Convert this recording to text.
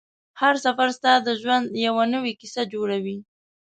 هر سفر ستا د ژوند یوه نوې کیسه جوړوي